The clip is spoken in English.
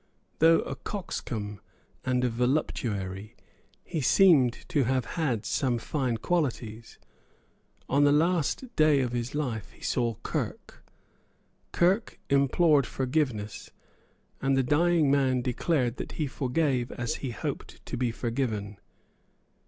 Though a coxcomb and a voluptuary, he seems to have had some fine qualities. On the last day of his life he saw Kirke. Kirke implored forgiveness; and the dying man declared that he forgave as he hoped to be forgiven.